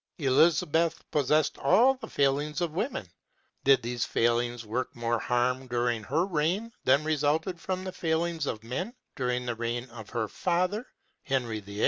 Elizabeth possessed all the failings of women. Did these failings work more harm during her reign than resulted from the failings of men during the reign of her father, Henry VIII.